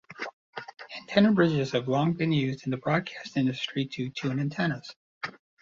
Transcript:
Antenna bridges have long been used in the broadcast industry to tune antennas.